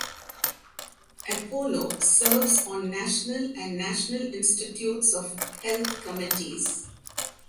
Apolo serves on national and National Institutes of Health committees.